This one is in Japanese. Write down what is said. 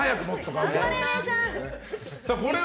頑張れ！